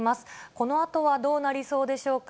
このあとはどうなりそうでしょうか。